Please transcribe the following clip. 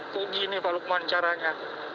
kegini pak lukman caranya